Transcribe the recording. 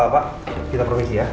pak kita promisi ya